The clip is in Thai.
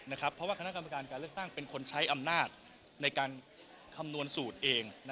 เพราะว่าคณะกรรมการการเลือกตั้งเป็นคนใช้อำนาจในการคำนวณสูตรเอง